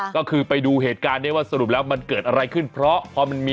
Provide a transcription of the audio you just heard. ก็คือไปดูเหตุการณ์นี้ว่าสรุปแล้วมันเกิดอะไรขึ้นเพราะพอมันมี